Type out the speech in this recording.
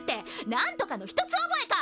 何とかの一つ覚えか！